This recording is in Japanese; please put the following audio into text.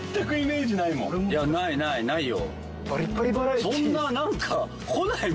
ないない！ないよ。